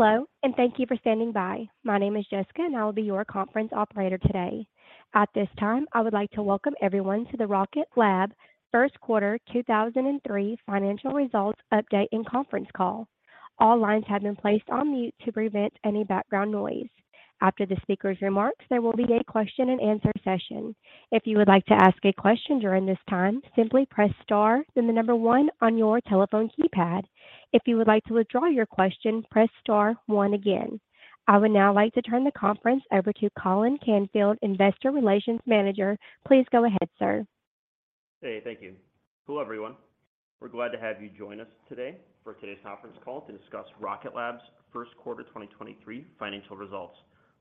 Hello, and thank you for standing by. My name is Jessica, and I will be your conference operator today. At this time, I would like to welcome everyone to the Rocket Lab First Quarter 2003 Financial Results Update and Conference Call. All lines have been placed on mute to prevent any background noise. After the speaker's remarks, there will be a question and answer session. If you would like to ask a question during this time, simply press star then the number one on your telephone keypad. If you would like to withdraw your question, press star one again. I would now like to turn the conference over to Colin Canfield, Investor Relations Manager. Please go ahead, sir. Hey. Thank you. Hello, everyone. We're glad to have you join us today for today's conference call to discuss Rocket Lab's First Quarter 2023 Financial Results.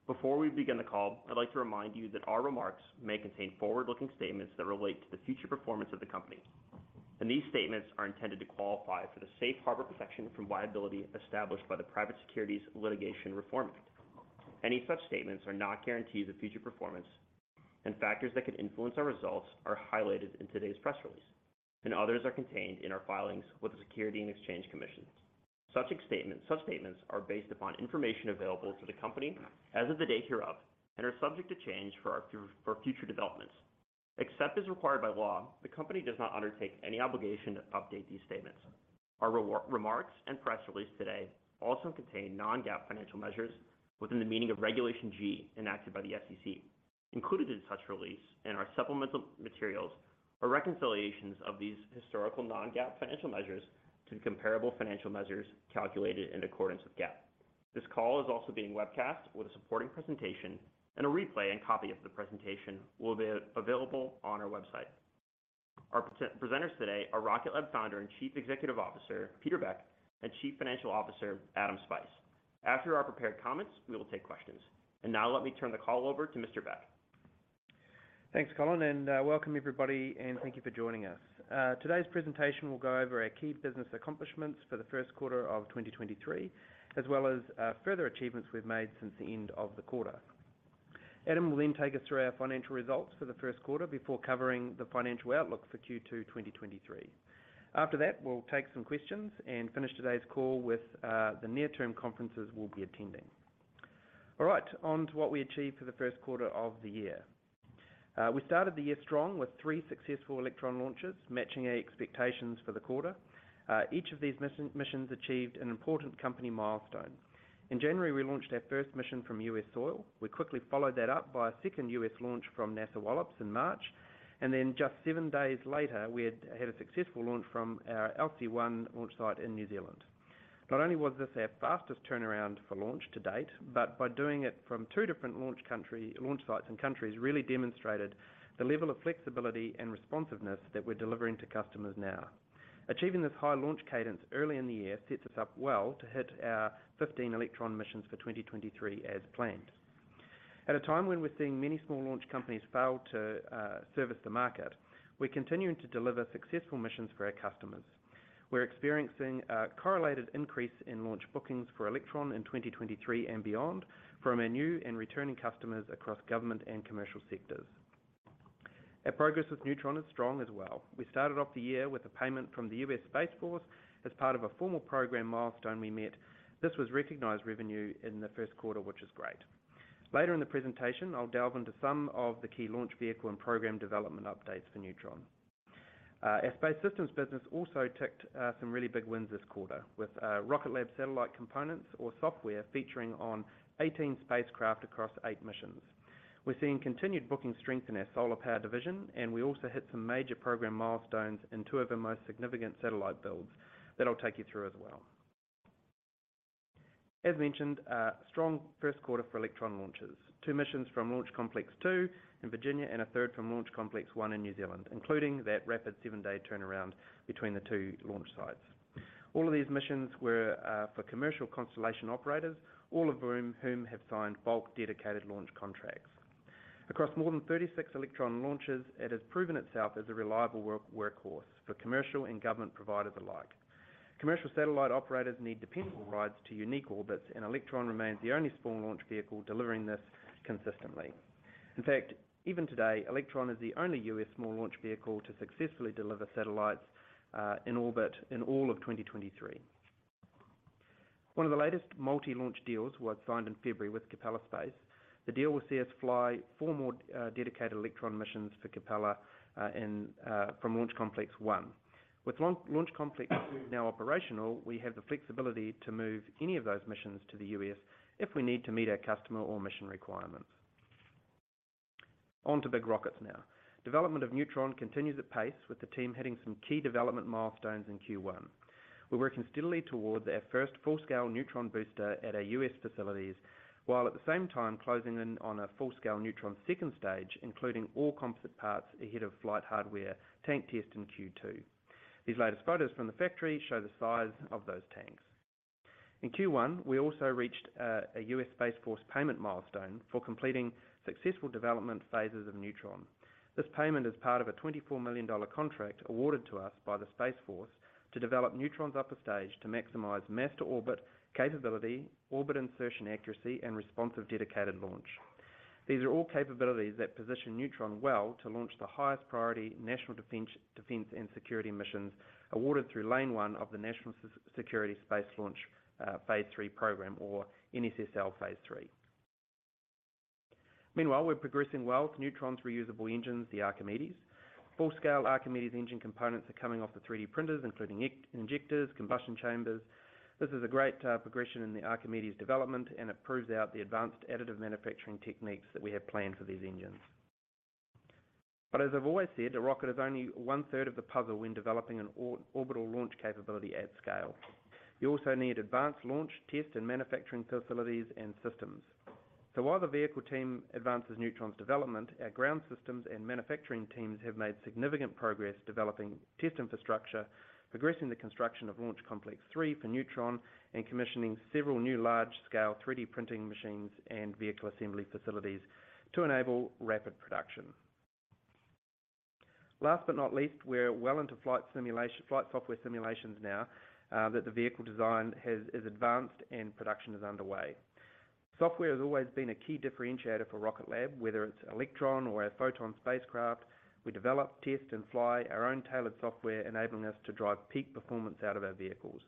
Before we begin the call, I'd like to remind you that our remarks may contain forward-looking statements that relate to the future performance of the company. These statements are intended to qualify for the safe harbor protection from liability established by the Private Securities Litigation Reform Act. Any such statements are not guarantees of future performance. Factors that could influence our results are highlighted in today's press release. Others are contained in our filings with the Securities and Exchange Commission. Such statements are based upon information available to the company as of the date hereof and are subject to change for future developments. Except as required by law, the company does not undertake any obligation to update these statements. Our remarks and press release today also contain non-GAAP financial measures within the meaning of Regulation G enacted by the SEC. Included in such release and our supplemental materials are reconciliations of these historical non-GAAP financial measures to the comparable financial measures calculated in accordance with GAAP. This call is also being webcast with a supporting presentation, and a replay and copy of the presentation will be available on our website. Our presenters today are Rocket Lab Founder and Chief Executive Officer, Peter Beck, and Chief Financial Officer, Adam Spice. After our prepared comments, we will take questions. Now let me turn the call over to Mr. Beck. Thanks, Colin, and welcome everybody, and thank you for joining us. Today's presentation will go over our key business accomplishments for the first quarter of 2023, as well as further achievements we've made since the end of the quarter. Adam will then take us through our financial results for the first quarter before covering the financial outlook for Q2 2023. After that, we'll take some questions and finish today's call with the near-term conferences we'll be attending. All right, on to what we achieved for the first quarter of the year. We started the year strong with three successful Electron launches, matching our expectations for the quarter. Each of these missions achieved an important company milestone. In January, we launched our first mission from U.S. soil. We quickly followed that up by a second U.S. launch from NASA Wallops in March. Just seven days later, we had a successful launch from our LC-1 launch site in New Zealand. Not only was this our fastest turnaround for launch to date, by doing it from two different launch sites and countries really demonstrated the level of flexibility and responsiveness that we're delivering to customers now. Achieving this high launch cadence early in the year sets us up well to hit our 15 Electron missions for 2023 as planned. At a time when we're seeing many small launch companies fail to service the market, we're continuing to deliver successful missions for our customers. We're experiencing a correlated increase in launch bookings for Electron in 2023 and beyond from our new and returning customers across government and commercial sectors. Our progress with Neutron is strong as well. We started off the year with a payment from the U.S. Space Force as part of a formal program milestone we met. This was recognized revenue in the first quarter, which is great. Later in the presentation, I'll delve into some of the key launch vehicle and program development updates for Neutron. Our space systems business also ticked some really big wins this quarter with Rocket Lab satellite components or software featuring on 18 spacecraft across eight missions. We're seeing continued booking strength in our solar power division, and we also hit some major program milestones in two of our most significant satellite builds that I'll take you through as well. As mentioned, a strong first quarter for Electron launches. Two missions from Launch Complex 2 in Virginia and a third from Launch Complex 1 in New Zealand, including that rapid seven-day turnaround between the two launch sites. All of these missions were for commercial constellation operators, all of whom have signed bulk dedicated launch contracts. Across more than 36 Electron launches, it has proven itself as a reliable workhorse for commercial and government providers alike. Commercial satellite operators need dependable rides to unique orbits, and Electron remains the only small launch vehicle delivering this consistently. In fact, even today, Electron is the only U.S. small launch vehicle to successfully deliver satellites in orbit in all of 2023. One of the latest multi-launch deals was signed in February with Capella Space. The deal will see us fly four more dedicated Electron missions for Capella from Launch Complex 1. With Launch Complex 2 now operational, we have the flexibility to move any of those missions to the U.S. if we need to meet our customer or mission requirements. On to big rockets now. Development of Neutron continues at pace with the team hitting some key development milestones in Q1. We're working steadily toward our first full-scale Neutron booster at our U.S. facilities, while at the same time closing in on a full-scale Neutron second stage, including all composite parts ahead of flight hardware tank test in Q2. These latest photos from the factory show the size of those tanks. In Q1, we also reached a U.S. Space Force payment milestone for completing successful development phases of Neutron. This payment is part of a $24 million contract awarded to us by the Space Force to develop Neutron's upper stage to maximize mass to orbit capability, orbit insertion accuracy, and responsive dedicated launch. These are all capabilities that position Neutron well to launch the highest priority national defense and security missions awarded through lane one of the National Security Space Launch phase III program or NSSL phase III. Meanwhile, we're progressing well to Neutron's reusable engines, the Archimedes. Full-scale Archimedes engine components are coming off the 3D printers, including injectors, combustion chambers. This is a great progression in the Archimedes development, and it proves out the advanced additive manufacturing techniques that we have planned for these engines. As I've always said, a rocket is only one-third of the puzzle when developing an orbital launch capability at scale. You also need advanced launch, test, and manufacturing facilities and systems. While the vehicle team advances Neutron's development, our ground systems and manufacturing teams have made significant progress developing test infrastructure, progressing the construction of Launch Complex 3 for Neutron, and commissioning several new large-scale 3D printing machines and vehicle assembly facilities to enable rapid production. Last but not least, we're well into flight software simulations now that the vehicle design is advanced and production is underway. Software has always been a key differentiator for Rocket Lab, whether it's Electron or our Photon spacecraft. We develop, test, and fly our own tailored software, enabling us to drive peak performance out of our vehicles.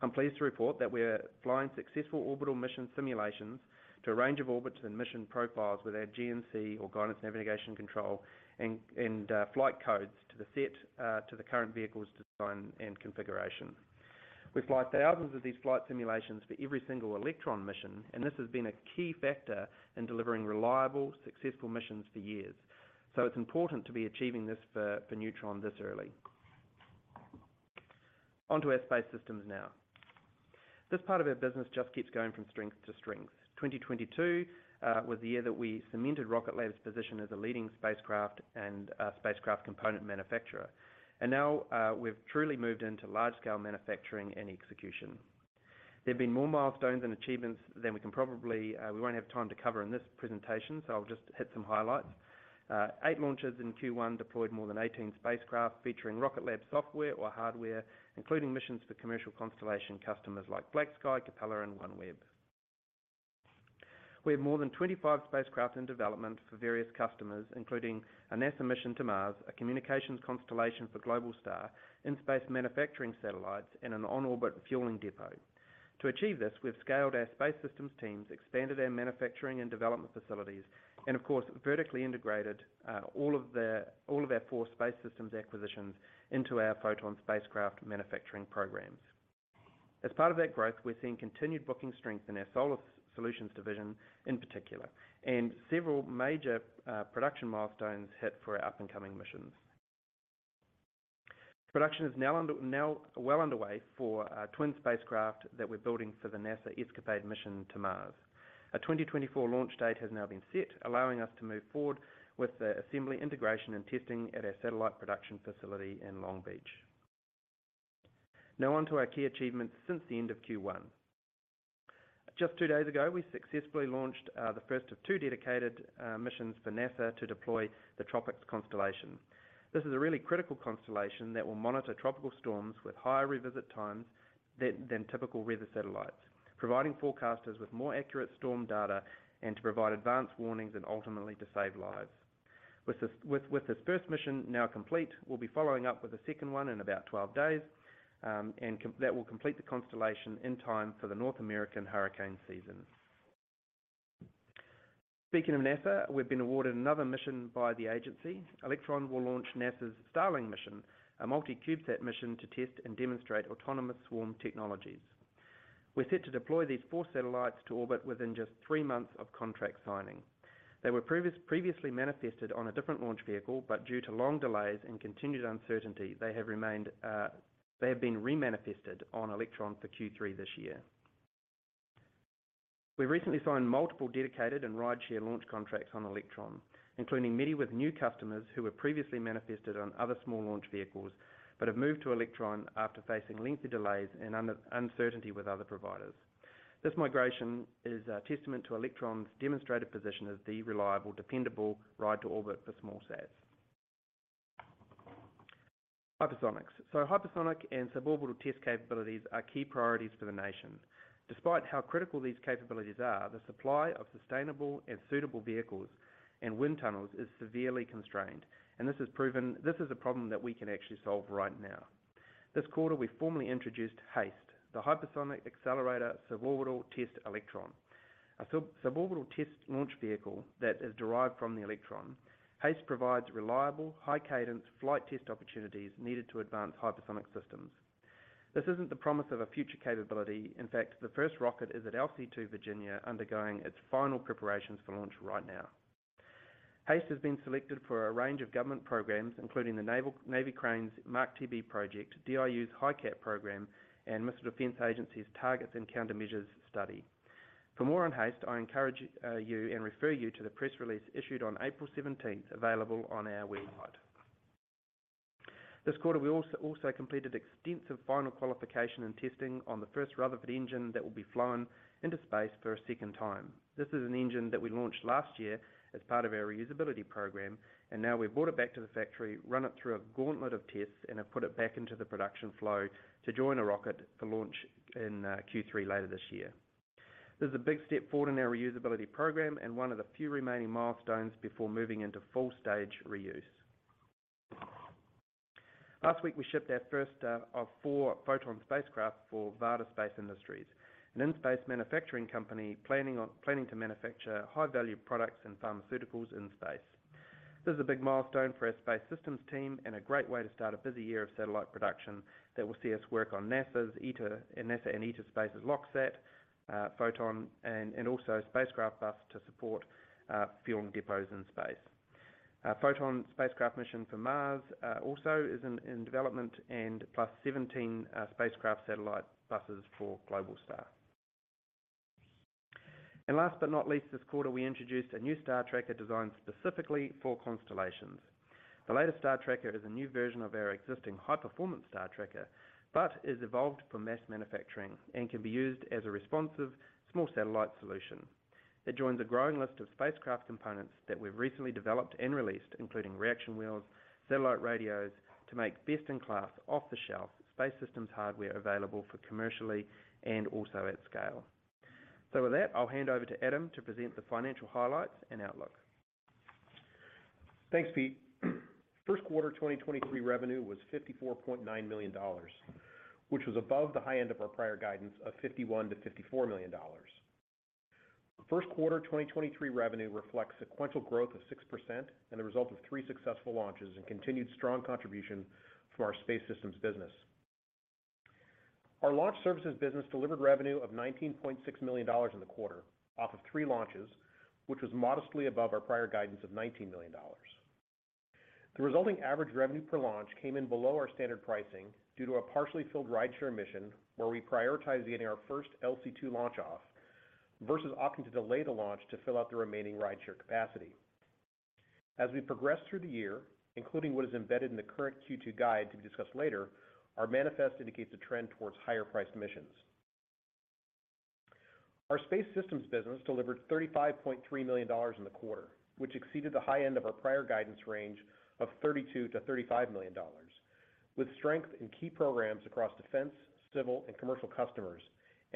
I'm pleased to report that we're flying successful orbital mission simulations to a range of orbits and mission profiles with our GNC or Guidance, Navigation, and Control and flight codes to the set to the current vehicle's design and configuration. We fly thousands of these flight simulations for every single Electron mission. This has been a key factor in delivering reliable, successful missions for years. It's important to be achieving this for Neutron this early. On to our space systems now. This part of our business just keeps going from strength to strength. 2022 was the year that we cemented Rocket Lab's position as a leading spacecraft and spacecraft component manufacturer. Now we've truly moved into large scale manufacturing and execution. There have been more milestones and achievements than we won't have time to cover in this presentation, so I'll just hit some highlights. Eight launches in Q1 deployed more than 18 spacecraft featuring Rocket Lab software or hardware, including missions for commercial constellation customers like BlackSky, Capella, and OneWeb. We have more than 25 spacecraft in development for various customers, including a NASA mission to Mars, a communications constellation for Globalstar, in-space manufacturing satellites, and an on-orbit fueling depot. To achieve this, we've scaled our space systems teams, expanded our manufacturing and development facilities, and of course, vertically integrated all of our four space systems acquisitions into our Photon spacecraft manufacturing programs. As part of that growth, we're seeing continued booking strength in our solar solutions division in particular, and several major production milestones hit for our up-and-coming missions. Production is now well underway for our twin spacecraft that we're building for the NASA ESCAPADE mission to Mars. A 2024 launch date has now been set, allowing us to move forward with the assembly, integration, and testing at our satellite production facility in Long Beach. On to our key achievements since the end of Q1. Just two days ago, we successfully launched the first of two dedicated missions for NASA to deploy the TROPICS constellation. This is a really critical constellation that will monitor tropical storms with higher revisit times than typical weather satellites, providing forecasters with more accurate storm data and to provide advanced warnings and ultimately to save lives. With this first mission now complete, we'll be following up with a second one in about 12 days, that will complete the constellation in time for the North American hurricane season. Speaking of NASA, we've been awarded another mission by the agency. Electron will launch NASA's STARLING mission, a multi CubeSat mission to test and demonstrate autonomous swarm technologies. We're set to deploy these four satellites to orbit within just three months of contract signing. They were previously manifested on a different launch vehicle, due to long delays and continued uncertainty, they have been remanifested on Electron for Q3 this year. We recently signed multiple dedicated and rideshare launch contracts on Electron, including many with new customers who were previously manifested on other small launch vehicles, but have moved to Electron after facing lengthy delays and uncertainty with other providers. This migration is a testament to Electron's demonstrated position as the reliable, dependable ride to orbit for small sats. Hypersonics. Hypersonic and suborbital test capabilities are key priorities for the nation. Despite how critical these capabilities are, the supply of sustainable and suitable vehicles and wind tunnels is severely constrained. This is a problem that we can actually solve right now. This quarter, we formally introduced HASTE, the Hypersonic Accelerator Suborbital Test Electron. A suborbital test launch vehicle that is derived from the Electron. HASTE provides reliable, high cadence flight test opportunities needed to advance hypersonic systems. This isn't the promise of a future capability. In fact, the first rocket is at LC2 Virginia, undergoing its final preparations for launch right now. HASTE has been selected for a range of government programs, including Navy Crane's MACH-TB project, DIU's HyCAT program, and Missile Defense Agency's Targets and Countermeasures study. For more on HASTE, I encourage you and refer you to the press release issued on April seventeenth, available on our website. This quarter, we also completed extensive final qualification and testing on the first Rutherford engine that will be flown into space for a second time. This is an engine that we launched last year as part of our reusability program. Now we've brought it back to the factory, run it through a gauntlet of tests, and have put it back into the production flow to join a rocket for launch in Q3 later this year. This is a big step forward in our reusability program and one of the few remaining milestones before moving into full stage reuse. Last week, we shipped our first of four Photon spacecraft for Varda Space Industries, an in-space manufacturing company planning to manufacture high-value products and pharmaceuticals in space. This is a big milestone for our space systems team and a great way to start a busy year of satellite production that will see us work on NASA and Eta Space's LOXSAT, Photon and also spacecraft bus to support fuel depots in space. Our Photon spacecraft mission for Mars also is in development and +17 spacecraft satellite buses for Globalstar. Last but not least, this quarter, we introduced a new star tracker designed specifically for constellations. The latest star tracker is a new version of our existing high-performance star tracker, but is evolved for mass manufacturing and can be used as a responsive small satellite solution. It joins a growing list of spacecraft components that we've recently developed and released, including reaction wheels, satellite radios to make best-in-class, off-the-shelf space systems hardware available for commercially and also at scale. With that, I'll hand over to Adam to present the financial highlights and outlook. Thanks, Pete. First quarter 2023 revenue was $54.9 million, which was above the high end of our prior guidance of $51 million-$54 million. First quarter 2023 revenue reflects sequential growth of 6% and the result of three successful launches and continued strong contribution from our space systems business. Our launch services business delivered revenue of $19.6 million in the quarter off of three launches, which was modestly above our prior guidance of $19 million. The resulting average revenue per launch came in below our standard pricing due to a partially filled rideshare mission where we prioritized getting our first LC2 launch off versus opting to delay the launch to fill out the remaining rideshare capacity. As we progress through the year, including what is embedded in the current Q2 guide to be discussed later, our manifest indicates a trend towards higher-priced missions. Our space systems business delivered $35.3 million in the quarter, which exceeded the high end of our prior guidance range of $32 million-$35 million, with strength in key programs across defense, civil, and commercial customers.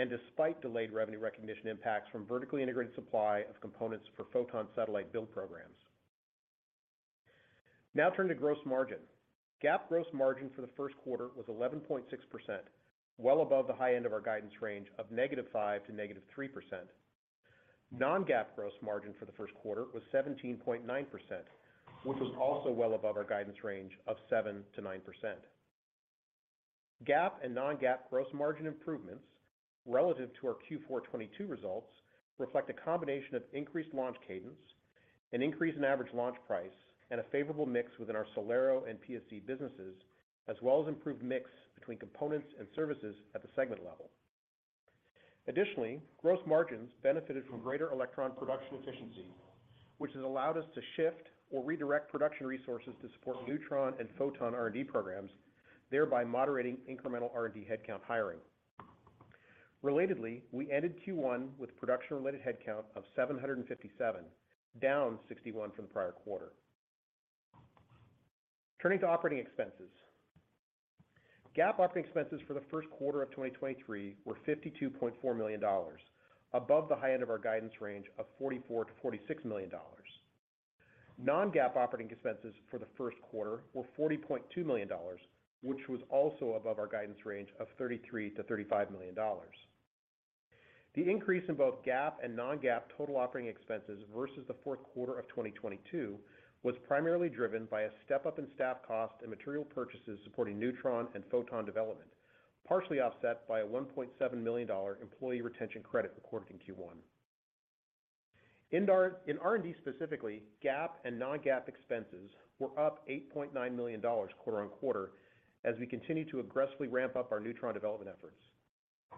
Despite delayed revenue recognition impacts from vertically integrated supply of components for Photon satellite build programs. Turning to gross margin. GAAP gross margin for the first quarter was 11.6%, well above the high end of our guidance range of -5% to -3%. Non-GAAP gross margin for the first quarter was 17.9%, which was also well above our guidance range of 7%-9%. GAAP and non-GAAP gross margin improvements relative to our Q4 2022 results reflect a combination of increased launch cadence, an increase in average launch price, and a favorable mix within our SolAero and PSC businesses, as well as improved mix between components and services at the segment level. Gross margins benefited from greater Electron production efficiency, which has allowed us to shift or redirect production resources to support Neutron and Photon R&D programs, thereby moderating incremental R&D headcount hiring. We ended Q1 with production-related headcount of 757, down 61 from the prior quarter. Turning to operating expenses. GAAP operating expenses for the first quarter of 2023 were $52.4 million, above the high end of our guidance range of $44 million-$46 million. Non-GAAP operating expenses for the first quarter were $40.2 million, which was also above our guidance range of $33 million-$35 million. The increase in both GAAP and non-GAAP total operating expenses versus the fourth quarter of 2022 was primarily driven by a step-up in staff cost and material purchases supporting Neutron and Photon development, partially offset by a $1.7 million employee retention credit recorded in Q1. In R&D specifically, GAAP and non-GAAP expenses were up $8.9 million quarter-on-quarter as we continue to aggressively ramp up our Neutron development efforts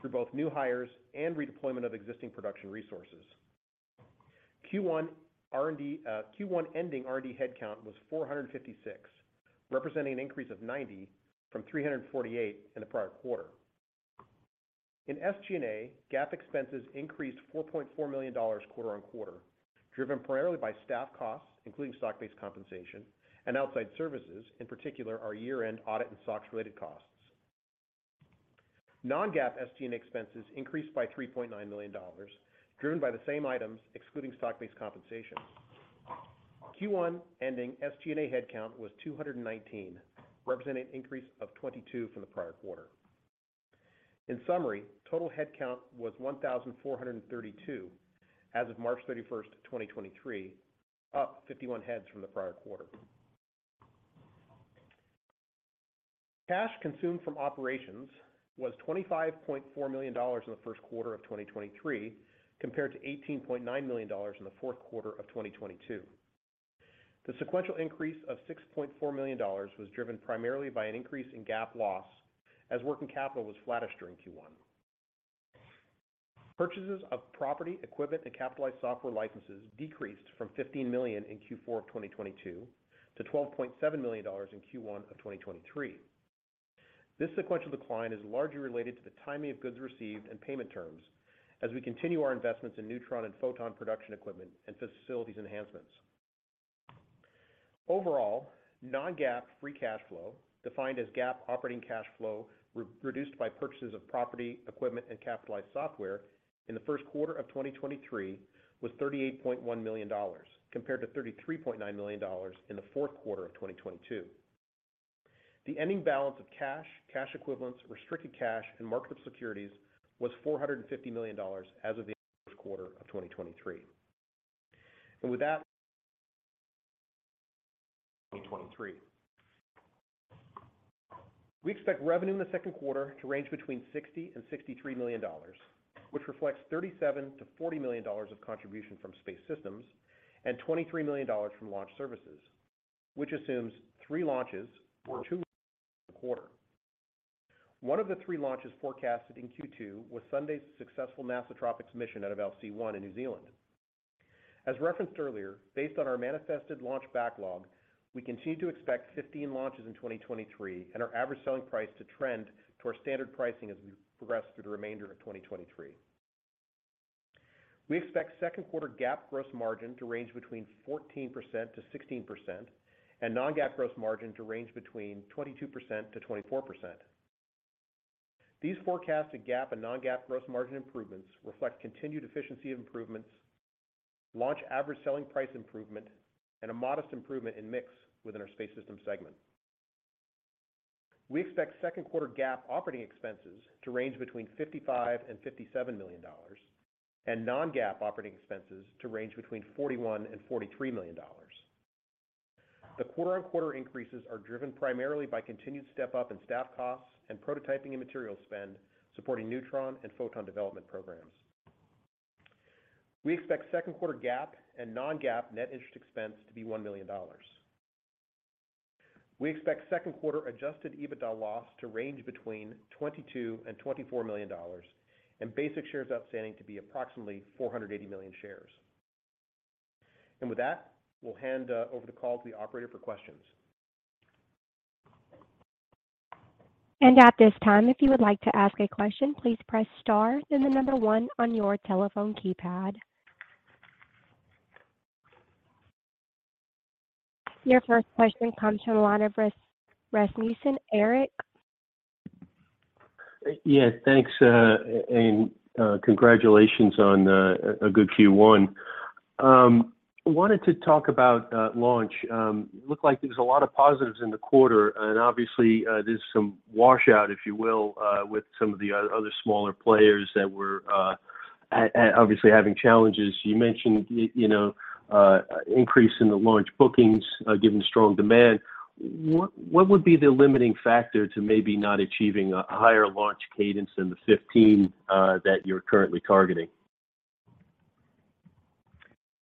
through both new hires and redeployment of existing production resources. Q1 R&D, Q1 ending R&D headcount was 456, representing an increase of 90 from 348 in the prior quarter. In SG&A, GAAP expenses increased $4.4 million quarter-on-quarter, driven primarily by staff costs, including stock-based compensation and outside services, in particular, our year-end audit and SOX-related costs. Non-GAAP SG&A expenses increased by $3.9 million, driven by the same items, excluding stock-based compensation. Q1 ending SG&A headcount was 219, representing an increase of 22 from the prior quarter. In summary, total headcount was 1,432 as of March 31st, 2023, up 51 heads from the prior quarter. Cash consumed from operations was $25.4 million in the first quarter of 2023, compared to $18.9 million in the fourth quarter of 2022. The sequential increase of $6.4 million was driven primarily by an increase in GAAP loss as working capital was flattish during Q1. Purchases of property, equipment, and capitalized software licenses decreased from $15 million in Q4 of 2022 to $12.7 million in Q1 of 2023. This sequential decline is largely related to the timing of goods received and payment terms as we continue our investments in Neutron and Photon production equipment and facilities enhancements. Overall, non-GAAP free cash flow, defined as GAAP operating cash flow re-reduced by purchases of property, equipment, and capitalized software in the first quarter of 2023 was $38.1 million, compared to $33.9 million in the fourth quarter of 2022. The ending balance of cash equivalents, restricted cash and market securities was $450 million as of the first quarter of 2023. We expect revenue in the second quarter to range between $60 million-$63 million, which reflects $37 million-$40 million of contribution from Space Systems and $23 million from launch services, which assumes three launches or two quarter. One of the three launches forecasted in Q2 was Sunday's successful NASA TROPICS mission out of LC one in New Zealand. As referenced earlier, based on our manifested launch backlog, we continue to expect 15 launches in 2023 and our average selling price to trend to our standard pricing as we progress through the remainder of 2023. We expect second quarter GAAP gross margin to range between 14%-16% and non-GAAP gross margin to range between 22%-24%. These forecasted GAAP and non-GAAP gross margin improvements reflect continued efficiency improvements, launch average selling price improvement, and a modest improvement in mix within our Space Systems segment. We expect second quarter GAAP operating expenses to range between $55 million and $57 million and non-GAAP operating expenses to range between $41 million and $43 million. The quarter-over-quarter increases are driven primarily by continued step-up in staff costs and prototyping and material spend supporting Neutron and Photon development programs. We expect second quarter GAAP and non-GAAP net interest expense to be $1 million. We expect second quarter adjusted EBITDA loss to range between $22 million and $24 million and basic shares outstanding to be approximately 480 million shares. With that, we'll hand over the call to the operator for questions. At this time, if you would like to ask a question, please press star then one on your telephone keypad. Your first question comes from the line of Rasmussen, Erik. Yeah, thanks, and congratulations on a good Q1. Wanted to talk about launch. Looked like there was a lot of positives in the quarter, and obviously, there's some washout, if you will, with some of the other smaller players that were obviously having challenges. You mentioned, you know, increase in the launch bookings, given strong demand. What would be the limiting factor to maybe not achieving a higher launch cadence than the 15 that you're currently targeting?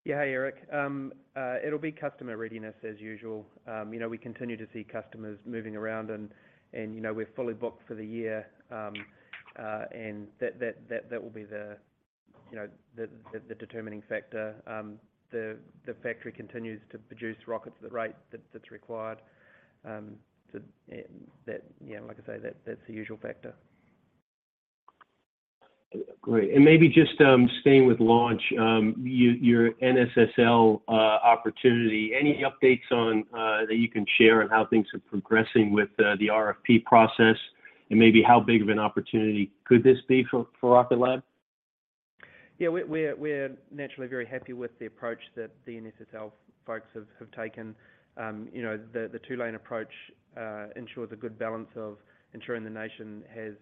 Yeah. Hi, Erik. It'll be customer readiness as usual. We continue to see customers moving around and, we're fully booked for the year, and that will be the determining factor. The factory continues to produce rockets at the rate that's required, and that's the usual factor. Great. Maybe just staying with launch, your NSSL opportunity, any updates on that you can share on how things are progressing with the RFP process and maybe how big of an opportunity could this be for Rocket Lab? Yeah, we're naturally very happy with the approach that the NSSL folks have taken. You know, the two-lane approach ensures a good balance of ensuring the nation has,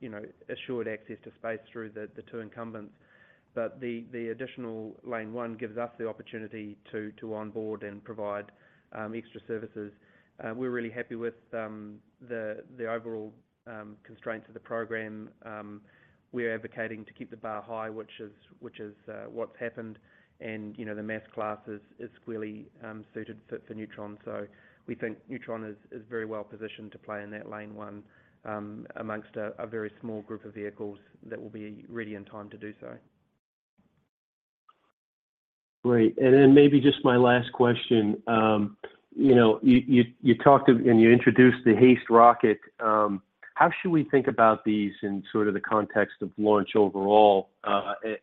you know, assured access to space through the two incumbents. But the additional lane one gives us the opportunity to onboard and provide extra services. We're really happy with the overall constraints of the program. We're advocating to keep the bar high, which is what's happened. And, you know, the mass class is squarely suited for Neutron. So we think Neutron is very well positioned to play in that lane one, amongst a very small group of vehicles that will be ready in time to do so. Great. Then maybe just my last question. you know, you talked, and you introduced the HASTE rocket. How should we think about these in sort of the context of launch overall,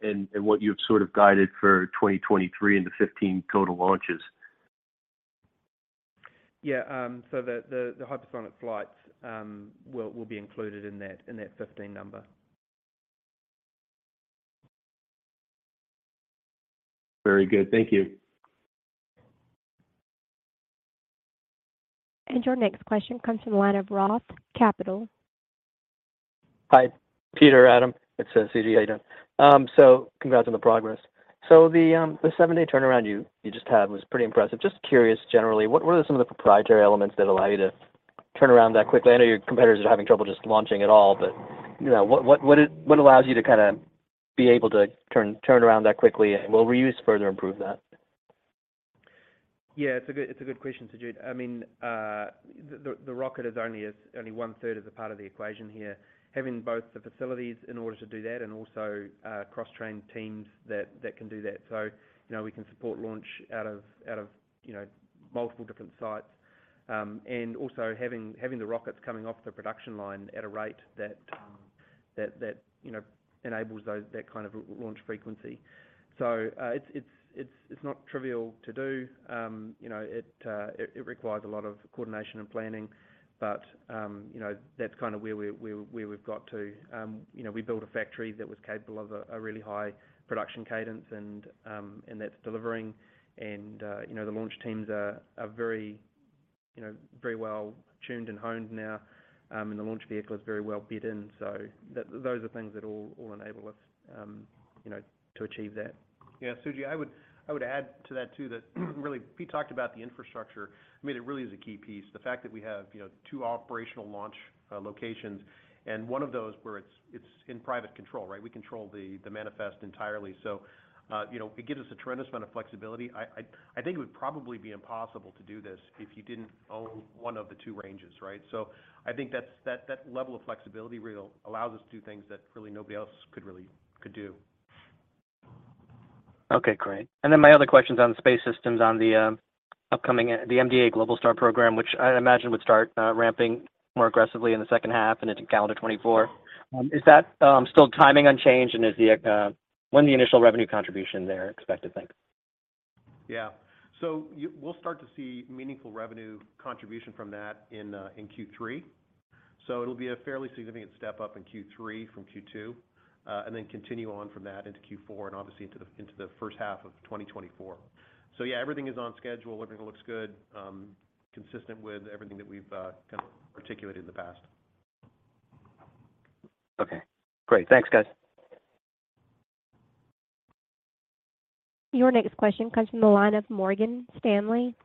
and what you've sort of guided for 2023 and the 15 total launches? Yeah, the, the hypersonic flights, will be included in that, in that 15 number. Very good. Thank you. Your next question comes from the line of Roth Capital. Hi, Peter. Adam. It's Suji. How you doing? Congrats on the progress. The seven-day turnaround you just had was pretty impressive. Just curious, generally, what are some of the proprietary elements that allow you to turn around that quickly? I know your competitors are having trouble just launching at all, but, you know, what allows you to kinda be able to turn around that quickly, and will reuse further improve that? Yeah, it's a good question, Suji. I mean, the rocket is only one third as a part of the equation here. Having both the facilities in order to do that and also, cross-trained teams that can do that. You know, we can support launch out of, you know, multiple different sites. Also having the rockets coming off the production line at a rate that, you know, enables that kind of launch frequency. It's not trivial to do. You know, it requires a lot of coordination and planning, but, you know, that's kinda where we've got to. You know, we built a factory that was capable of a really high production cadence, and that's delivering. You know, the launch teams are very, you know, very well tuned and honed now, and the launch vehicle is very well bed in, so those are things that all enable us, you know, to achieve that. Yeah. Suji, I would add to that too, that really, Pete talked about the infrastructure. I mean, it really is a key piece. The fact that we have, you know, two operational launch locations and one of those where it's in private control, right? We control the manifest entirely. You know, it gives us a tremendous amount of flexibility. I think it would probably be impossible to do this if you didn't own one of the two ranges, right? I think that's that level of flexibility allows us to do things that really nobody else could do. Okay, great. My other question is on the space systems, on the upcoming, the MDA Globalstar program, which I imagine would start ramping more aggressively in the second half into calendar 2024. Is that still timing unchanged? Is the when the initial revenue contribution there expected, thanks. We'll start to see meaningful revenue contribution from that in Q3. It'll be a fairly significant step up in Q3 from Q2, and then continue on from that into the first half of 2024. Everything is on schedule. Everything looks good, consistent with everything that we've, kind of articulated in the past. Okay, great. Thanks guys. Your next question comes from the line of Morgan Stanley.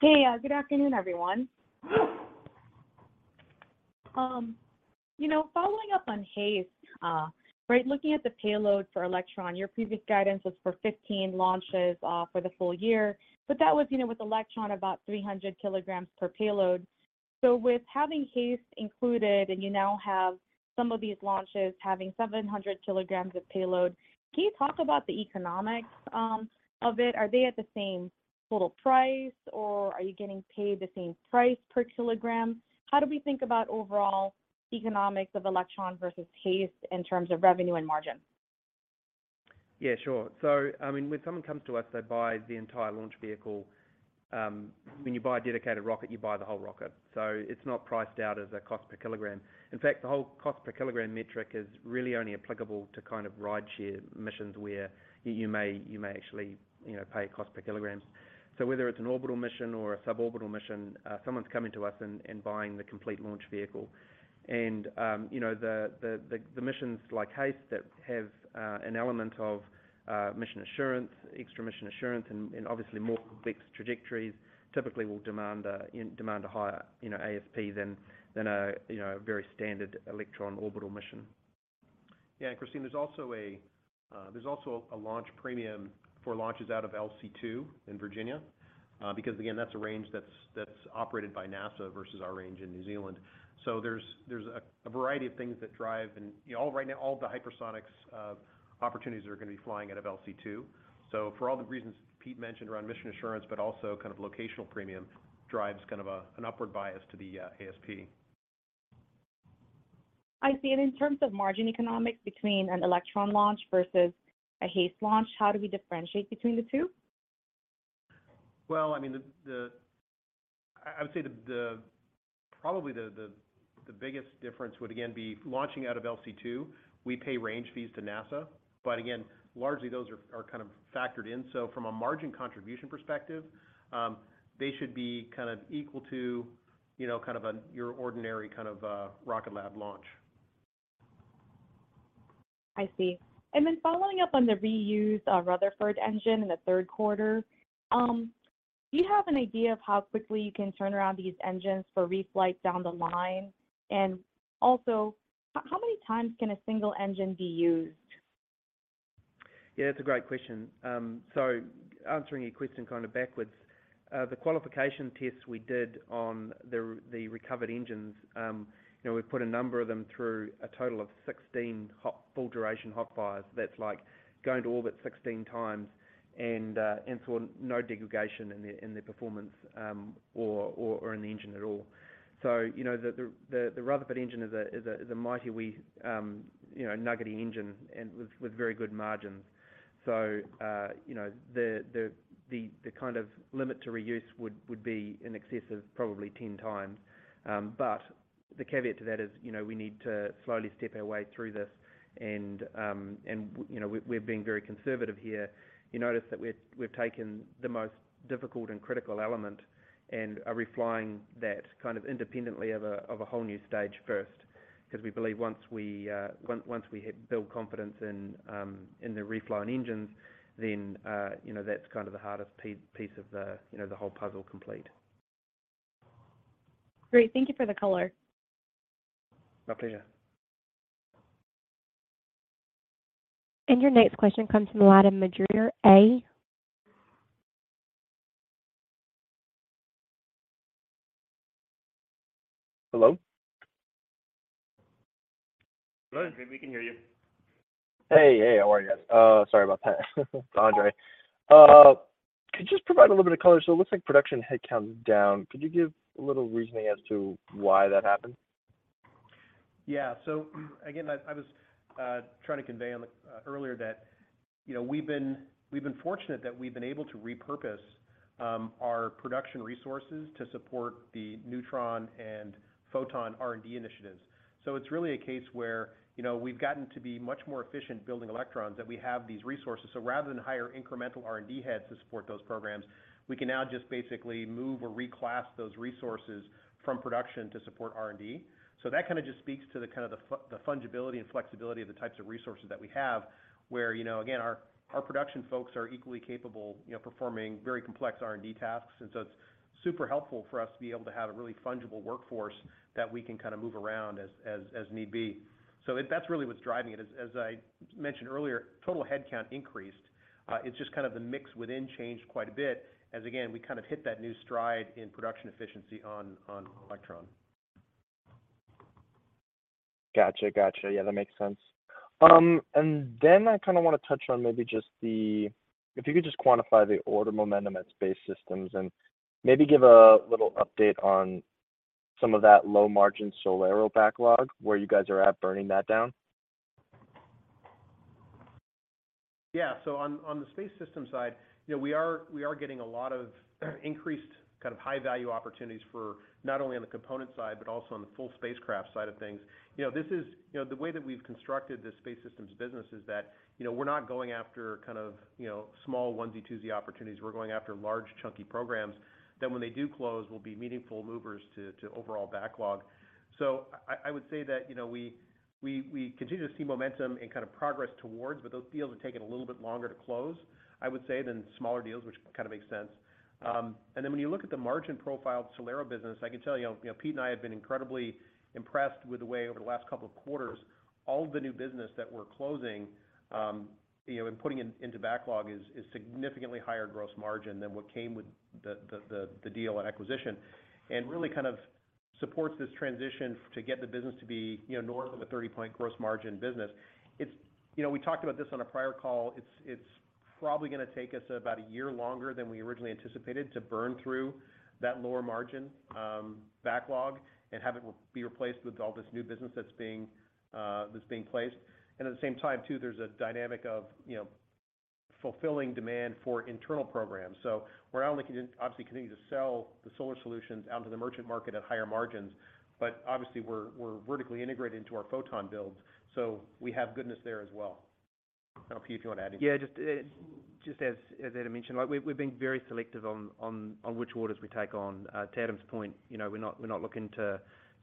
Hey, good afternoon everyone. You know, following up on HASTE, right? Looking at the payload for Electron, your previous guidance was for 15 launches for the full year, that was, you know, with Electron about 300 kg per payload. With having HASTE included, and you now have some of these launches having 700 kg of payload, can you talk about the economics of it? Are they at the same total price or are you getting paid the same price per kilogram? How do we think about overall economics of Electron versus HASTE in terms of revenue and margin? Yeah, sure. I mean, when someone comes to us, they buy the entire launch vehicle. When you buy a dedicated rocket, you buy the whole rocket, so it's not priced out as a cost per kilogram. In fact, the whole cost per kilogram metric is really only applicable to kind of ride share missions where you may actually, you know, pay a cost per kilogram. Whether it's an orbital mission or a sub-orbital mission, someone's coming to us and buying the complete launch vehicle. You know, the missions like HASTE that have an element of mission assurance, extra mission assurance and obviously more complex trajectories typically will demand a higher, you know, ASP than a, you know, a very standard Electron orbital mission. Yeah. Kristine, there's also a launch premium for launches out of LC2 in Virginia, because again, that's a range that's operated by NASA versus our range in New Zealand. There's a variety of things that drive and, you know, all, right now, all of the hypersonics opportunities are gonna be flying out of LC2. For all the reasons Pete mentioned around mission assurance, but also kind of locational premium drives kind of a, an upward bias to the ASP. I see. In terms of margin economics between an Electron launch versus a HASTE launch, how do we differentiate between the two? Well, I mean, I would say the probably the biggest difference would again, be launching out of LC2. We pay range fees to NASA, but again, largely those are kind of factored in. From a margin contribution perspective, they should be kind of equal to, you know, kind of your ordinary kind of Rocket Lab launch. I see. Following up on the reused Rutherford engine in the third quarter, do you have an idea of how quickly you can turn around these engines for reflight down the line? How many times can a single engine be used? Yeah, that's a great question. Answering your question kind of backwards, the qualification tests we did on the recovered engines, you know, we put a number of them through a total of 16 hot, full duration hot fires. That's like going to orbit 16 times and saw no degradation in their performance or in the engine at all. You know, the Rutherford engine is a mighty wee, you know, nuggety engine and with very good margins. You know, the kind of limit to reuse would be in excess of probably 10 times. The caveat to that is, you know, we need to slowly step our way through this and, you know, we are being very conservative here. You notice that we've taken the most difficult and critical element and are reflying that kind of independently of a, of a whole new stage first. 'Cause we believe once we, once we build confidence in the reflown engines, then, you know, that's kind of the hardest piece of the, you know, the whole puzzle complete. Great. Thank you for the color. My pleasure. Your next question comes from the line of Madrid A. Hello? Go ahead. We can hear you. Hey. Hey, how are you guys? Sorry about that. It's Andre. Could you just provide a little bit of color? It looks like production headcount is down. Could you give a little reasoning as to why that happened? Again, I was trying to convey earlier that, you know, we've been fortunate that we've been able to repurpose our production resources to support the Neutron and Photon R&D initiatives. It's really a case where, you know, we've gotten to be much more efficient building Electrons that we have these resources. Rather than hire incremental R&D heads to support those programs, we can now just basically move or reclass those resources from production to support R&D. That kind of just speaks to the kind of the fungibility and flexibility of the types of resources that we have, where, you know, again, our production folks are equally capable, you know, performing very complex R&D tasks. It's super helpful for us to be able to have a really fungible workforce that we can kind of move around as need be. That's really what's driving it. As I mentioned earlier, total headcount increased. It's just kind of the mix within changed quite a bit as, again, we kind of hit that new stride in production efficiency on Electron. Gotcha. Gotcha. Yeah, that makes sense. I kind of wanna touch on maybe just if you could just quantify the order momentum at Space Systems, and maybe give a little update on some of that low-margin SolAero backlog, where you guys are at burning that down? On the Space Systems side, you know, we are getting a lot of increased kind of high-value opportunities for not only on the component side, but also on the full spacecraft side of things. You know, this is, you know, the way that we've constructed the Space Systems business is that, you know, we're not going after kind of, you know, small onesie-twosie opportunities. We're going after large chunky programs that when they do close, will be meaningful movers to overall backlog. I would say that, you know, we continue to see momentum and kind of progress towards, but those deals are taking a little bit longer to close, I would say, than smaller deals, which kind of makes sense. When you look at the margin profile of SolAero business, I can tell you know, Pete and I have been incredibly impressed with the way over the last couple of quarters, all the new business that we're closing, you know, and putting into backlog is significantly higher gross margin than what came with the deal and acquisition. Really kind of supports this transition to get the business to be, you know, north of a 30-point gross margin business. It's, you know, we talked about this on a prior call. It's probably gonna take us about a year longer than we originally anticipated to burn through that lower margin backlog and have it replaced with all this new business that's being placed. At the same time, too, there's a dynamic of, you know, fulfilling demand for internal programs. We're not only obviously continuing to sell the solar solutions out into the merchant market at higher margins. Obviously we're vertically integrated into our Photon builds, so we have goodness there as well. I don't know, Pete, if you want to add anything. Yeah. Just as Adam mentioned, like we've been very selective on which orders we take on. To Adam's point, you know, we're not looking to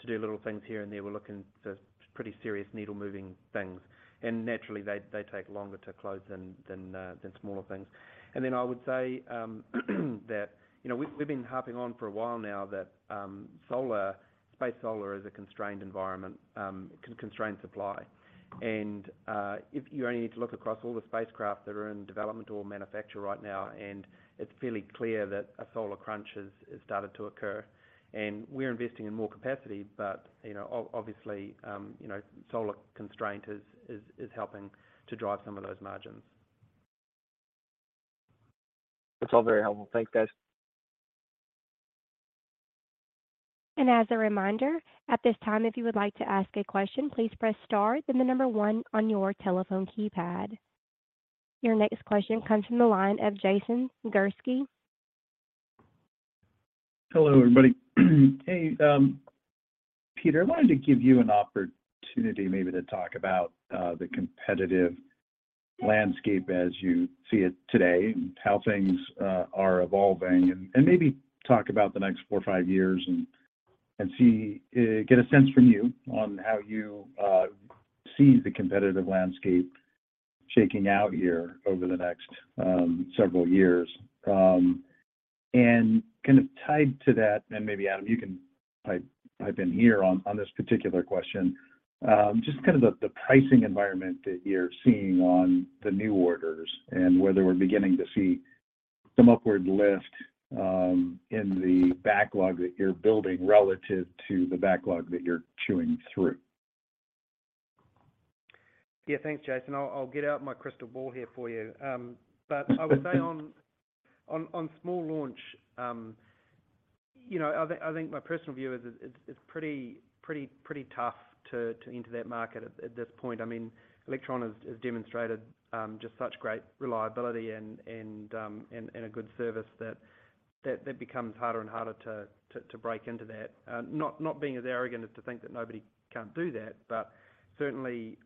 do little things here and there. We're looking for pretty serious needle-moving things. Naturally, they take longer to close than smaller things. Then I would say that, you know, we've been harping on for a while now that solar, space solar is a constrained environment, constrained supply. If you only need to look across all the spacecraft that are in development or manufacture right now, it's fairly clear that a solar crunch has started to occur. We're investing in more capacity but, you know, obviously, you know, solar constraint is helping to drive some of those margins. That's all very helpful. Thanks, guys. As a reminder, at this time, if you would like to ask a question, please press star then the number one on your telephone keypad. Your next question comes from the line of Jason Gursky. Hello, everybody. Hey, Peter, I wanted to give you an opportunity maybe to talk about the competitive landscape as you see it today and how things are evolving and maybe talk about the next four or five years and see, get a sense from you on how you see the competitive landscape shaking out here over the next several years. Kind of tied to that, and maybe, Adam, you can pipe in here on this particular question. Just kind of the pricing environment that you're seeing on the new orders and whether we're beginning to see some upward lift in the backlog that you're building relative to the backlog that you're chewing through. Yeah. Thanks, Jason. I'll get out my crystal ball here for you. I would say on small launch, you know, I think my personal view is it's pretty tough to enter that market at this point. I mean, Electron has demonstrated just such great reliability and a good service that becomes harder and harder to break into that. Not being as arrogant as to think that nobody can't do that, but certainly,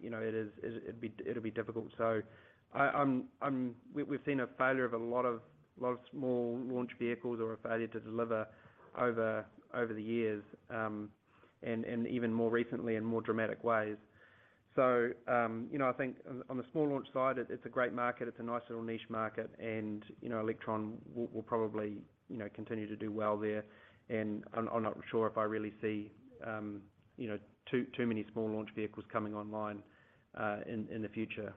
you know, it is, it'd be, it'll be difficult. I'm We've seen a failure of a lot of small launch vehicles or a failure to deliver over the years, and even more recently in more dramatic ways. You know, I think on the small launch side, it's a great market. It's a nice little niche market and, you know, Electron will probably, you know, continue to do well there. I'm not sure if I really see, you know, too many small launch vehicles coming online in the future.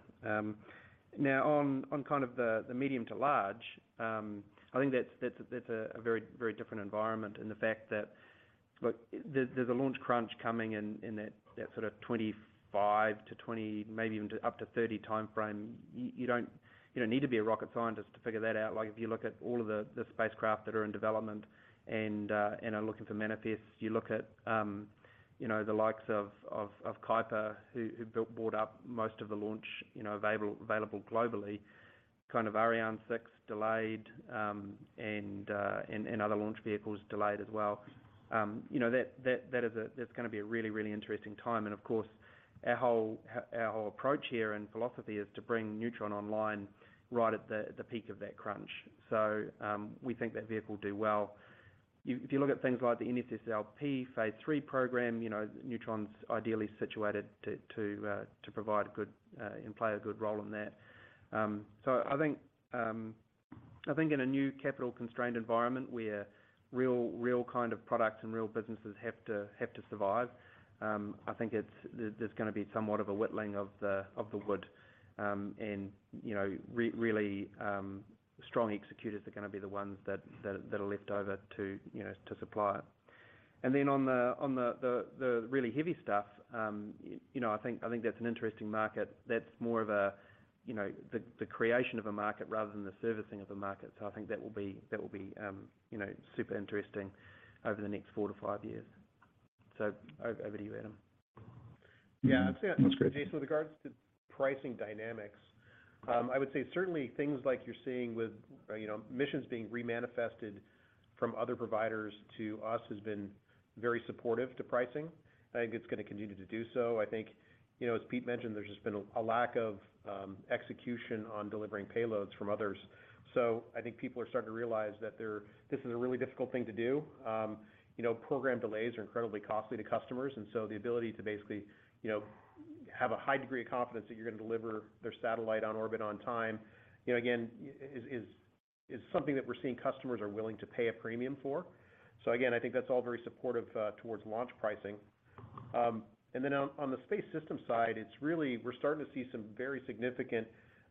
Now on kind of the medium to large, I think that's a very different environment in the fact that. Look, there's a launch crunch coming in that sort of 25-20, maybe even to up to 30 timeframe. You don't need to be a rocket scientist to figure that out. Like, if you look at all of the spacecraft that are in development and are looking for manifests. You look at, you know, the likes of Kuiper who bought up most of the launch, you know, available globally. Kind of Ariane 6 delayed, and other launch vehicles delayed as well. You know, that's gonna be a really, really interesting time. Of course, our whole approach here and philosophy is to bring Neutron online right at the peak of that crunch. We think that vehicle will do well. If you look at things like the NSSL phase III program, you know, Neutron's ideally situated to provide good and play a good role in that. I think in a new capital-constrained environment where real kind of products and real businesses have to survive, I think it's there's gonna be somewhat of a whittling of the wood. Really, you know, strong executors are gonna be the ones that are left over to, you know, to supply it. On the really heavy stuff, you know, I think that's an interesting market. That's more of a, you know, the creation of a market rather than the servicing of a market. I think that will be, you know, super interesting over the next four to five years. Over to you, Adam. Yeah. That's great. Jason, with regards to pricing dynamics, I would say certainly things like you're seeing with, you know, missions being remanifested from other providers to us has been very supportive to pricing. I think it's gonna continue to do so. I think, you know, as Pete mentioned, there's just been a lack of execution on delivering payloads from others. I think people are starting to realize that this is a really difficult thing to do. You know, program delays are incredibly costly to customers, the ability to basically, you know, have a high degree of confidence that you're gonna deliver their satellite on orbit on time, you know, again, is something that we're seeing customers are willing to pay a premium for. Again, I think that's all very supportive towards launch pricing. Then on the space systems side, we're starting to see some very significant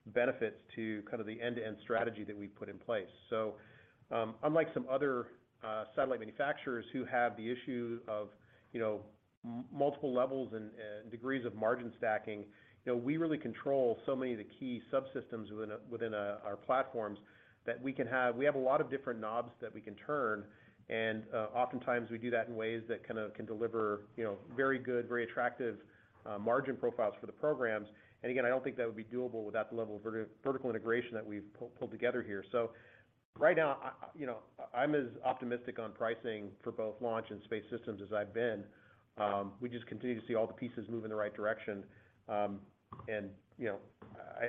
benefits to kind of the end-to-end strategy that we've put in place. Unlike some other satellite manufacturers who have the issue of, you know, multiple levels and degrees of margin stacking, you know, we really control so many of the key subsystems within our platforms that we have a lot of different knobs that we can turn, and oftentimes we do that in ways that kind of can deliver, you know, very good, very attractive margin profiles for the programs. Again, I don't think that would be doable without the level of vertical integration that we've pulled together here. Right now, you know, I'm as optimistic on pricing for both launch and space systems as I've been. We just continue to see all the pieces move in the right direction. You know,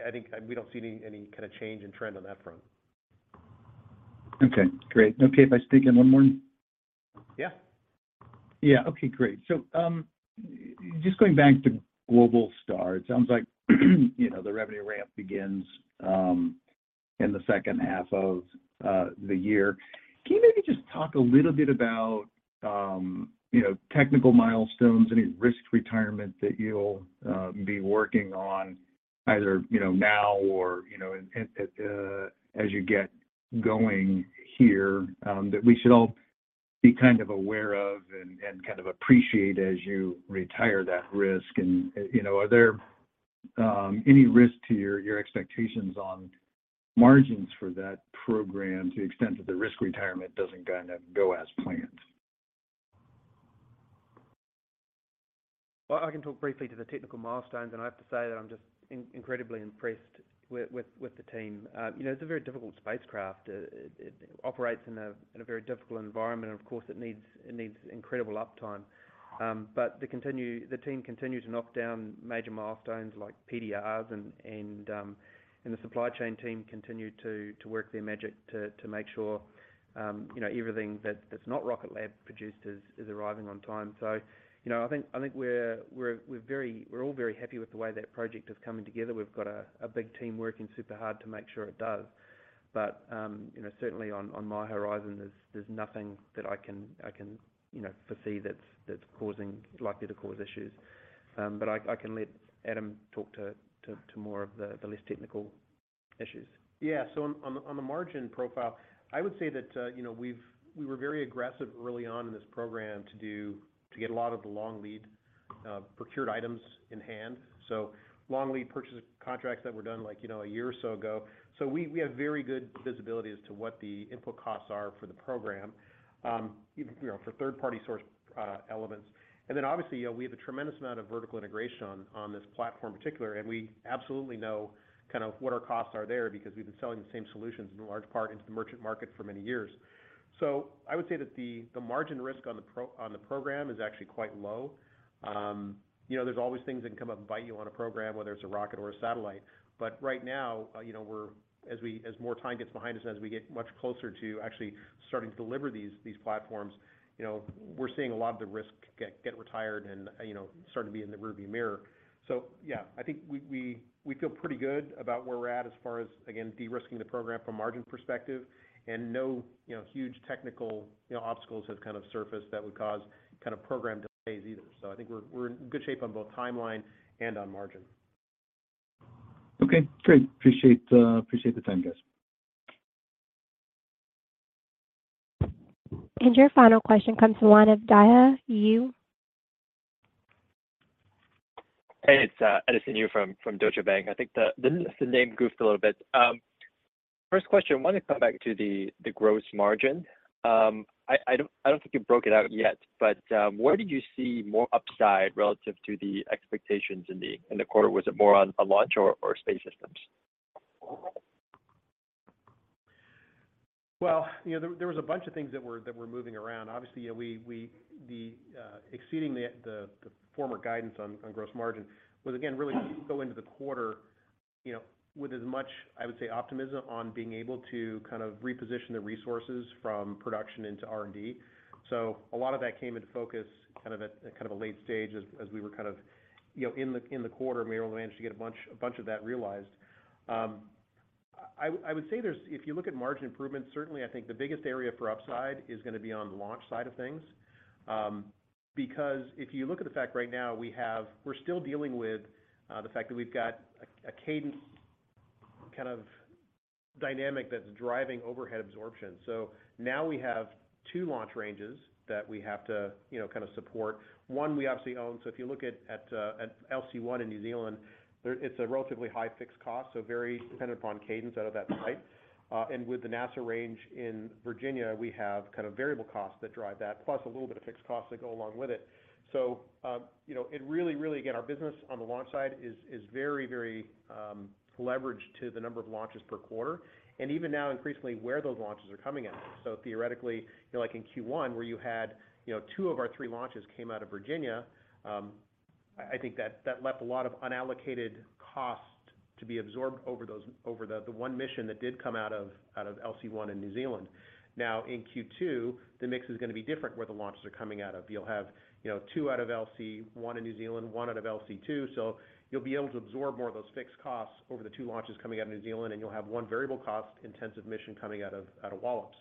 I think, and we don't see any kind of change in trend on that front. Okay, great. Is it okay if I sneak in one more? Yeah. Yeah. Okay, great. Just going back to Globalstar, it sounds like, you know, the revenue ramp begins in the second half of the year. Can you maybe just talk a little bit about, you know, technical milestones, any risk retirement that you'll be working on either, you know, now or, you know, at as you get going here, that we should all be kind of aware of and kind of appreciate as you retire that risk? You know, are there any risk to your expectations on margins for that program to the extent that the risk retirement doesn't kind of go as planned? I can talk briefly to the technical milestones, and I have to say that I'm just incredibly impressed with the team. You know, it's a very difficult spacecraft. It operates in a very difficult environment and, of course, it needs incredible uptime. The team continue to knock down major milestones like PDRs and the supply chain team continue to work their magic to make sure, you know, everything that's not Rocket Lab produced is arriving on time. You know, I think we're all very happy with the way that project is coming together. We've got a big team working super hard to make sure it does. You know, certainly on my horizon, there's nothing that I can, you know, foresee that's likely to cause issues. But I can let Adam talk to more of the less technical issues. Yeah. On the margin profile, I would say that, you know, we were very aggressive early on in this program to get a lot of the long lead procured items in hand. Long lead purchase contracts that were done like, you know, a year or so ago. We have very good visibility as to what the input costs are for the program, you know, for third-party source elements. Obviously, you know, we have a tremendous amount of vertical integration on this platform in particular, and we absolutely know kind of what our costs are there because we've been selling the same solutions in large part into the merchant market for many years. I would say that the margin risk on the program is actually quite low. You know, there's always things that can come up and bite you on a program, whether it's a rocket or a satellite. Right now, you know, as more time gets behind us and as we get much closer to actually starting to deliver these platforms, you know, we're seeing a lot of the risk get retired and, you know, start to be in the rearview mirror. Yeah, I think we feel pretty good about where we're at as far as, again, de-risking the program from a margin perspective. No, you know, huge technical, you know, obstacles have kind of surfaced that would cause kind of program delays either. I think we're in good shape on both timeline and on margin. Okay, great. Appreciate the time, guys. Your final question comes from the line of Edison Yu. Hey, it's Edison Yu from Deutsche Bank. I think This is the name goofed a little bit. first question, wanna come back to the gross margin. I don't think you broke it out yet, but where did you see more upside relative to the expectations in the quarter? Was it more on launch or space systems? Well, you know, there was a bunch of things that were moving around. Obviously, you know, we exceeding the former guidance on gross margin was again really go into the quarter, you know, with as much, I would say, optimism on being able to kind of reposition the resources from production into R&D. A lot of that came into focus kind of at a late stage as we were kind of, you know, in the quarter, and we were able to manage to get a bunch of that realized. I would say there's. If you look at margin improvements, certainly I think the biggest area for upside is gonna be on the launch side of things. Because if you look at the fact right now we're still dealing with the fact that we've got a cadence kind of dynamic that's driving overhead absorption. Now we have 2 launch ranges that we have to, you know, kind of support. One we obviously own. If you look at LC 1 in New Zealand, it's a relatively high fixed cost, so very dependent upon cadence out of that site. With the NASA range in Virginia, we have kind of variable costs that drive that, plus a little bit of fixed costs that go along with it. You know, it really, again, our business on the launch side is very leveraged to the number of launches per quarter. Even now increasingly where those launches are coming out of. Theoretically, you know, like in Q1 where you had, you know, two of our three launches came out of Virginia, I think that left a lot of unallocated cost to be absorbed over the one mission that did come out of LC 1 in New Zealand. In Q2, the mix is gonna be different where the launches are coming out of. You'll have, you know, two out of LC 1 in New Zealand, 1 out of LC 2. You'll be able to absorb more of those fixed costs over the two launches coming outta New Zealand, and you'll have 1 variable cost intensive mission coming out of Wallops.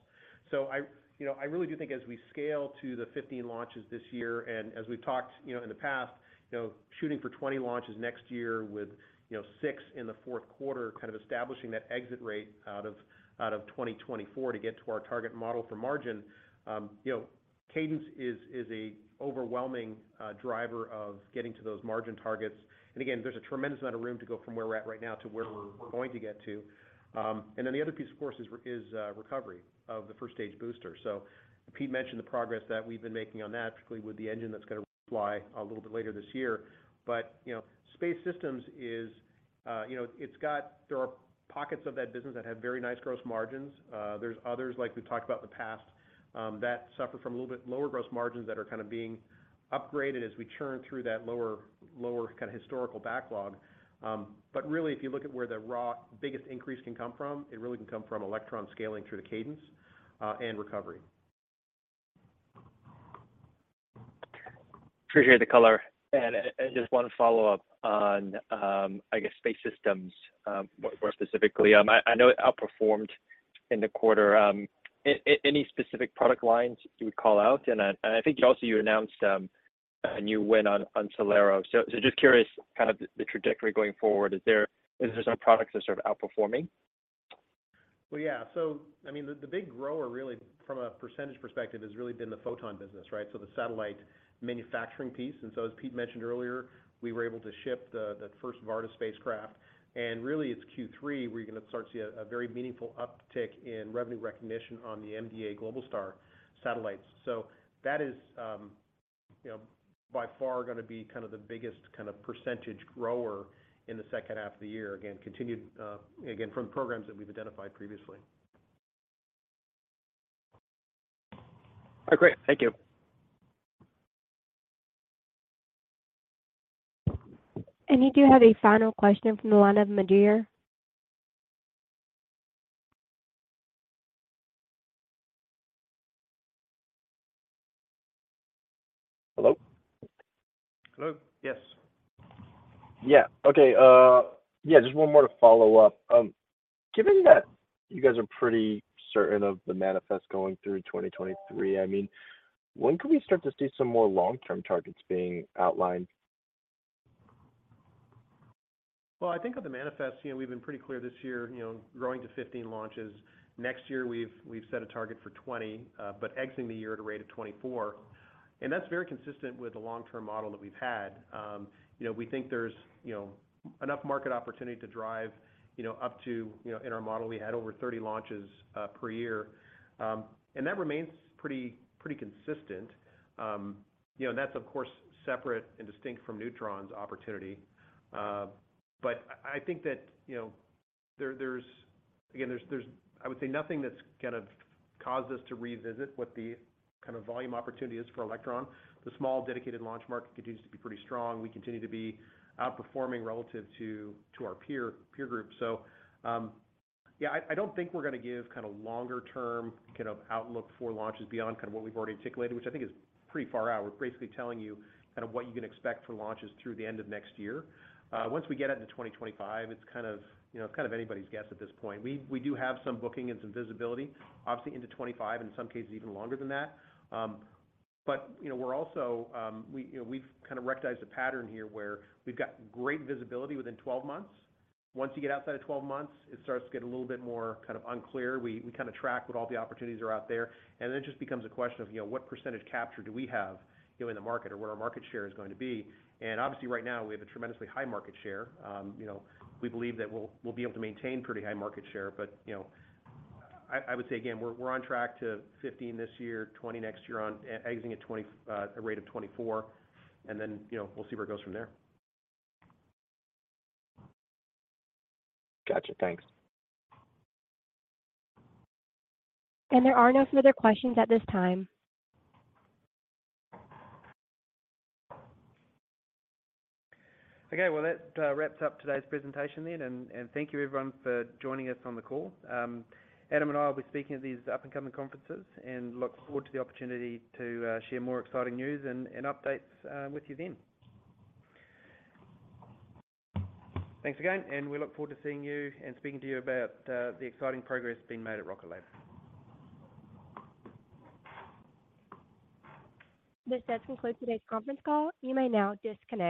I, you know, I really do think as we scale to the 15 launches this year, and as we've talked, you know, in the past, you know, shooting for 20 launches next year with, you know, six in the fourth quarter, kind of establishing that exit rate out of, out of 2024 to get to our target model for margin, you know, cadence is a overwhelming driver of getting to those margin targets. Again, there's a tremendous amount of room to go from where we're at right now to where we're going to get to. Then the other piece of course is recovery of the first stage booster. Pete mentioned the progress that we've been making on that, particularly with the engine that's gonna fly a little bit later this year. You know, space systems is, you know, There are pockets of that business that have very nice gross margins. There's others, like we've talked about in the past, that suffer from a little bit lower gross margins that are kind of being upgraded as we churn through that lower kind of historical backlog. Really if you look at where the raw biggest increase can come from, it really can come from Electron scaling through the cadence and recovery. Appreciate the color. Just one follow-up on, I guess space systems, more specifically. I know it outperformed in the quarter. Any specific product lines you would call out? I think also you announced a new win on SolAero. Just curious kind of the trajectory going forward. Is there some products that are sort of outperforming? Well, yeah. I mean the big grower really from a % perspective has really been the Photon business, right? The satellite manufacturing piece. As Pete mentioned earlier, we were able to ship the first Varda spacecraft, and really it's Q3 where you're gonna start to see a very meaningful uptick in revenue recognition on the MDA Globalstar satellites. That is, you know, by far gonna be kind of the biggest kind of % grower in the second half of the year. Again, continued, again from the programs that we've identified previously. All right, great. Thank you. You do have a final question from the line of Madia. Hello? Hello. Yes. Okay. Just one more to follow up. Given that you guys are pretty certain of the manifest going through 2023, I mean, when can we start to see some more long-term targets being outlined? Well, I think on the manifest, you know, we've been pretty clear this year, you know, growing to 15 launches. Next year we've set a target for 20, but exiting the year at a rate of 24, and that's very consistent with the long-term model that we've had. You know, we think there's, you know, enough market opportunity to drive, you know, up to, you know, in our model, we had over 30 launches per year. That remains pretty consistent. You know, and that's of course separate and distinct from Neutron's opportunity. I think that, you know, there's, again, there's... I would say nothing that's gonna cause us to revisit what the kind of volume opportunity is for Electron. The small dedicated launch market continues to be pretty strong. We continue to be outperforming relative to our peer group. I don't think we're gonna give kinda longer term kind of outlook for launches beyond kinda what we've already articulated, which I think is pretty far out. We're basically telling you kind of what you can expect for launches through the end of next year. Once we get into 2025, it's kind of, you know, it's kind of anybody's guess at this point. We do have some booking and some visibility obviously into 25, in some cases even longer than that. You know, we're also, we, you know, we've kind of recognized a pattern here where we've got great visibility within 12 months. Once you get outside of 12 months, it starts to get a little bit more kind of unclear. We kind of track what all the opportunities are out there, and then it just becomes a question of, you know, what percentage capture do we have, you know, in the market or where our market share is going to be. Obviously right now we have a tremendously high market share. You know, we believe that we'll be able to maintain pretty high market share. You know, I would say again, we're on track to 15 this year, 20 next year on, exiting at a rate of 24 and then, you know, we'll see where it goes from there. Gotcha. Thanks. There are no further questions at this time. Okay. Well, that wraps up today's presentation then. Thank you everyone for joining us on the call. Adam and I will be speaking at these up-and-coming conferences and look forward to the opportunity to share more exciting news and updates with you then. Thanks again, and we look forward to seeing you and speaking to you about the exciting progress being made at Rocket Lab. This does conclude today's conference call. You may now disconnect.